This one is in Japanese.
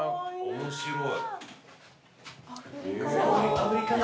面白い。